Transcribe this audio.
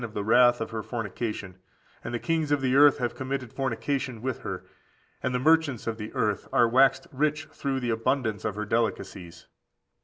For all nations have drunk of the wine of the wrath of her fornication, and the kings of the earth have committed fornication with her, and the merchants of the earth are waxed rich through the abundance of her delicacies.